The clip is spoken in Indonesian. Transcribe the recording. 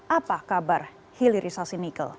apa kabar hilirisasi nikel